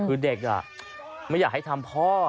คือเด็กไม่อยากให้ทำพ่อ